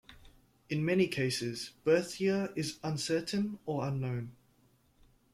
In many cases, birth year is uncertain or unknown.